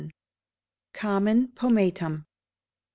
Common Pomatum.